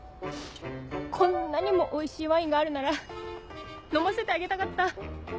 こんなにもおいしいワインがあるなら飲ませてあげたかった。